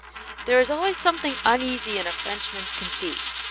There is always something uneasy in a Frenchman's conceit.